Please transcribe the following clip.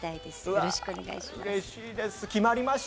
よろしくお願いします。